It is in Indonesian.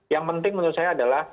yang penting menurut saya adalah